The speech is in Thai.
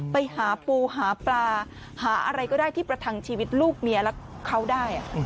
ไปหาปูหาปลาหาอะไรก็ได้ที่ประทังชีวิตลูกเมียและเขาได้